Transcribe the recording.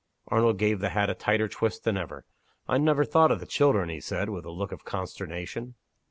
Arnold gave the hat a tighter twist than ever. "I never thought of the children," he said, with a look of consternation.